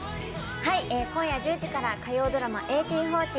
今夜１０時から火曜ドラマ「１８／４０」